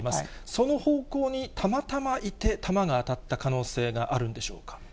その方向にたまたまいて、弾が当たった可能性があるんでしょうか。